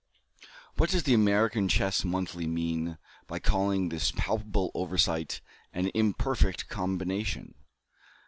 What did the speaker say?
What does the American Chess Monthly mean by calling this palpable oversight "an imperfect combination?"